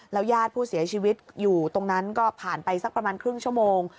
ญาติผู้เสียชีวิตอยู่ตรงนั้นก็ผ่านไปสักประมาณครึ่งชั่วโมง